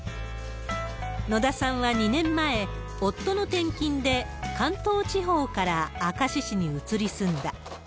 野田さんは２年前、夫の転勤で関東地方から明石市に移り住んだ。